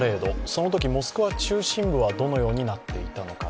そのとき、モスクワ中心部はどのようになっていたのか。